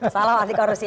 salam anti korupsi